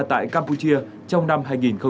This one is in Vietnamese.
tại campuchia trong năm hai nghìn hai mươi ba